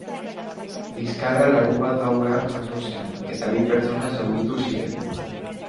Liskarra larunbat gauean jazo zen, eta bi pertsona zauritu ziren.